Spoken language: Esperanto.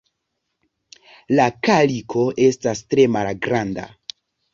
La kaliko estas tre malgranda.